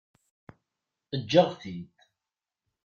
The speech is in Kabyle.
Eǧǧ-aɣ-tt-id.